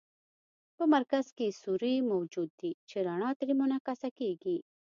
په مرکز کې سوری موجود دی چې رڼا ترې منعکسه کیږي.